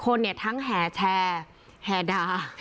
คนเนี่ยทั้งแห่แชร์แห่ด่า